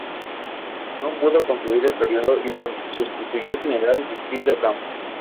No pudo concluir el período y lo sustituyó el general Ortiz de Ocampo.